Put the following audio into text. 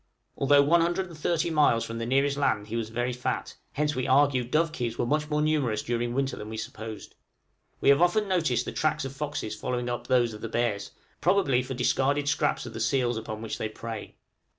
Although 130 geographical miles from the nearest land he was very fat, hence we argue dovekies were much more numerous during winter than we supposed. We have often noticed the tracks of foxes following up those of the bears, probably for discarded scraps of the seals upon which they prey.